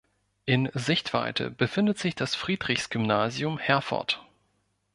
In Sichtweite befindet sich das Friedrichs-Gymnasium Herford.